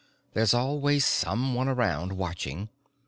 There's always someone around, watching.